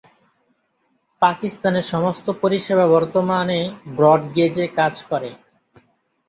পাকিস্তানে সমস্ত পরিষেবা বর্তমানে ব্রড গেজে কাজ করে।